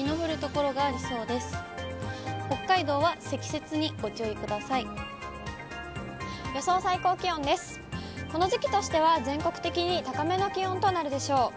この時期としては全国的に高めの気温となるでしょう。